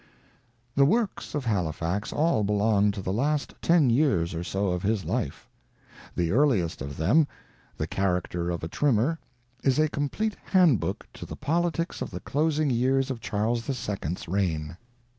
The works of Halifax all belong to the last ten years or so of his life. The earliest of them. The Character of a Trimmer, is a complete handbook to the politics of the. closing years of Charles the Second's reign.